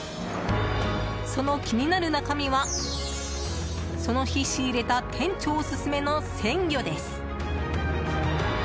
その気になる中身はその日仕入れた店長オススメの鮮魚です。